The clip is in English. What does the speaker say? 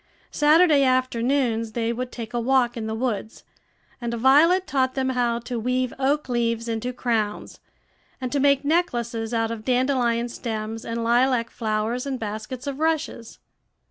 Saturday afternoons they would take a walk in the woods; and Violet taught them how to weave oak leaves into crowns, and to make necklaces out of dandelion stems and lilac flowers, and baskets of rushes.